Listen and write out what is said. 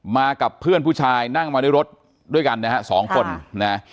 มากับเพื่อนผู้ชายนั่งมาด้วยรถด้วยกันนะฮะสองคนนะ